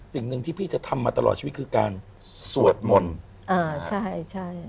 สิ่งหนึ่งที่พี่จะทำมาตลอดชีวิตคือการสวดมนต์อ่าใช่ใช่